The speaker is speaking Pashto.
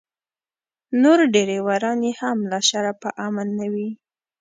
نور ډریوران یې هم له شره په امن نه وي.